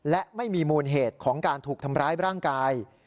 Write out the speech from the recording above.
และไม่มีมูลเหตุของการถูกทำร้ายร่างกาย